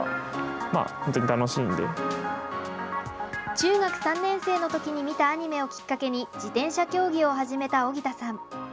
中学３年生の時に見たアニメをきっかけに自転車競技を始めた荻田さん。